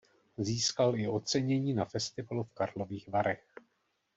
Získal i ocenění na festivalu v Karlových Varech.